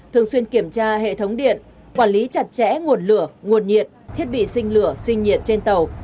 thường xuyên kiểm tra hệ thống điện quản lý chặt chẽ nguồn lửa nguồn nhiệt thiết bị sinh lửa sinh nhiệt trên tàu